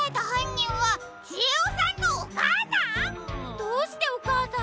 どうしておかあさんが？